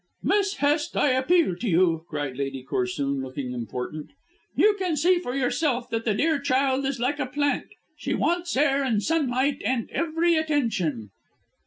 "Miss Hest, I appeal to you," cried Lady Corsoon, looking important. "You can see for yourself that the dear child is like a plant, she wants air and sunlight and every attention."